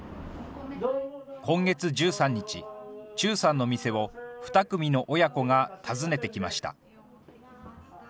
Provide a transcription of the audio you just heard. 今月１３日、忠さんの店を２組の親子が訪ねてきました。